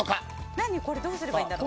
何これどうすればいいんだろう。